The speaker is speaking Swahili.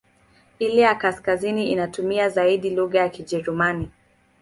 Ile ya kaskazini inatumia zaidi lugha ya Kijerumani.